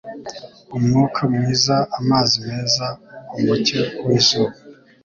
umwuka mwiza, amazi meza, umucyo w’izuba,